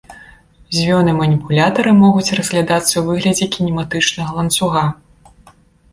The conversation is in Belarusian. Звёны маніпулятара могуць разглядацца ў выглядзе кінематычнага ланцуга.